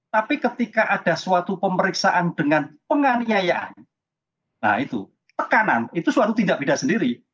tapi ketika ada suatu pemeriksaan dengan penganiayaan nah itu tekanan itu suatu tindak bidak sendiri